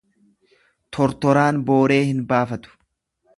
Tortoraan booree hin baafatu.